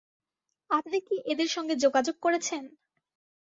আপনি কি এদের সঙ্গে যোগাযোগ করেছেন?